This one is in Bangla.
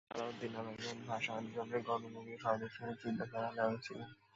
আলাউদ্দিন আল আজাদ ভাষা আন্দোলনের গণমুখী ও স্বদেশপ্রেমী সাহিত্যধারার লেখক ছিলেন।